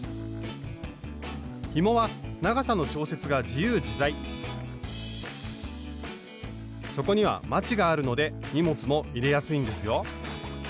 ひもは長さの調節が自由自在底にはまちがあるので荷物も入れやすいんですよ。